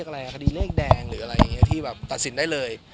คดีเร่งแดงหรืออะไรถามได้เลย